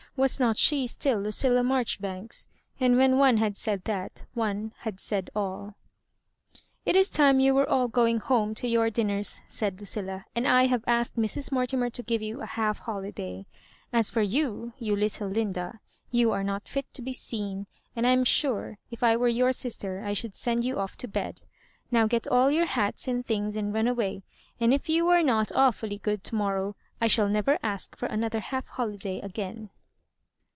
Was not she still Lucilla Marjori banks? and when one had said that, one had said all. "It is time you were all going home to your dinners," said Lucilla; *'and I have asked Mrs. Mortimer to give you a half hoHday. As for you, you little Linda^ you are not fit to be seen ; and I am sure if I were your sister I should send you off to bed. Now get all your hats and things and run away ; and if you are not awfully good to morrow, I shall never ask for an other half holiday again."